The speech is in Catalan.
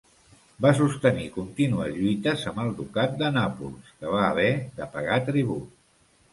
Va sostenir contínues lluites amb el ducat de Nàpols que va haver de pagar tribut.